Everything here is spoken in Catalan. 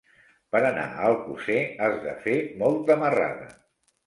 Per anar a Alcosser has de fer molta marrada.